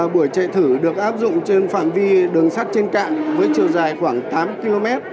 buổi chạy thử được áp dụng trên phạm vi đường sắt trên cạn với chiều dài khoảng tám km